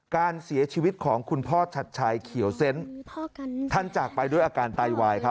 การเสียชีวิตของคุณพ่อชัดชัยเขียวเซนต์ท่านจากไปด้วยอาการไตวาย